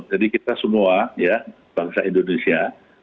jadi kita semua bangsa indonesia